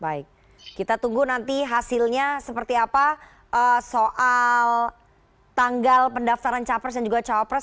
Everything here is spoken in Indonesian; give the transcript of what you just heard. baik kita tunggu nanti hasilnya seperti apa soal tanggal pendaftaran capres dan juga cawapres